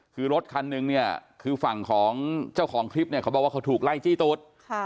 คือรถคันนึงเนี่ยคือฝั่งของเจ้าของคลิปเนี่ยเขาบอกว่าเขาถูกไล่จี้ตูด